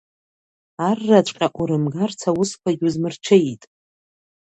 Арраҵәҟьа урымгарц аусқәагь узмырҽеит.